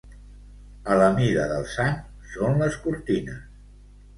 A la mida del sant són les cortines.